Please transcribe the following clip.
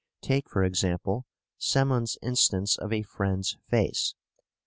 Take for example Semon's instance of a friend's face.